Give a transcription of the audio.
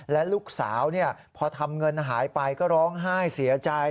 และลูกสาวพอทำเงินหายไปก็ร้องไห้เสียใจ